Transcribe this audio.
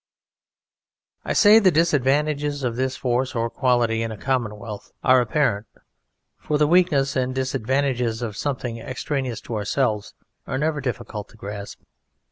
I say the disadvantages of this force or quality in a commonwealth are apparent, for the weakness and disadvantages of something extraneous to ourselves are never difficult to grasp.